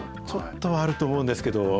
ちょっとはあると思うんですけど。